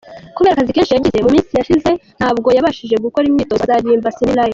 Kubera akazi kenshi yagize mu minsi yashize ntabwo yabashije gukora imyitozo, azaririmba semi-live”.